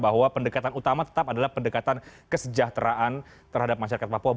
bahwa pendekatan utama tetap adalah pendekatan kesejahteraan terhadap masyarakat papua